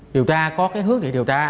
điều tra có cái hước để điều tra